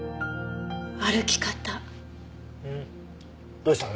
どうしたの？